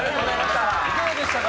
いかがでしたか？